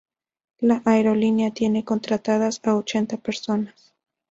La aerolínea tiene contratadas a ochenta personas.